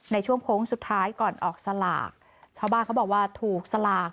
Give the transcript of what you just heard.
ในช่วงโค้งสุดท้ายก่อนออกสลากชาวบ้านเขาบอกว่าถูกสลาก